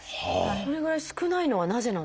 それぐらい少ないのはなぜなんですか？